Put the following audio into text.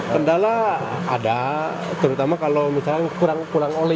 kendala ada terutama kalau misalnya kurang oli